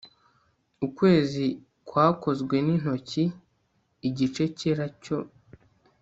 ukwezi kwakozwe n'intoki igice cyera mu gicu